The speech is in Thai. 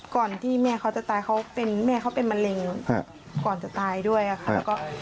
ก่อนที่แม่เขาจะตายเขาเป็นแม่เขาเป็นมะเร็งก่อนจะตายด้วยค่ะ